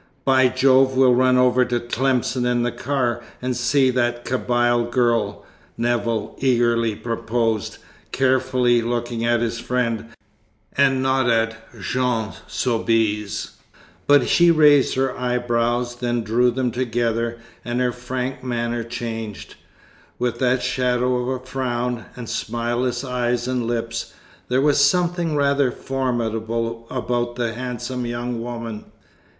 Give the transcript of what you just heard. "By Jove, we'll run over to Tlemcen in the car, and see that Kabyle girl," Nevill eagerly proposed, carefully looking at his friend, and not at Jeanne Soubise. But she raised her eyebrows, then drew them together, and her frank manner changed. With that shadow of a frown, and smileless eyes and lips, there was something rather formidable about the handsome young woman.